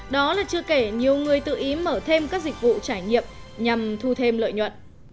đó là chưa kể nhiều người tự ý mở thêm các dịch vụ trải nghiệm nhằm thu thêm lợi nhuận